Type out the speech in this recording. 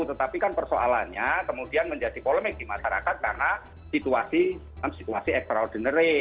tetapi kan persoalannya kemudian menjadi polemik di masyarakat karena situasi extraordinary